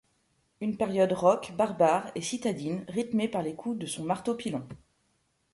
Une période rock, barbare, et citadine rythmée par les coups de son marteau-pilon.